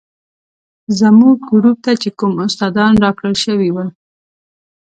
زموږ ګروپ ته چې کوم استادان راکړل شوي ول.